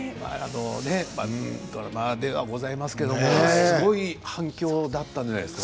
ドラマではございますけれど、すごい反響だったんじゃないですか？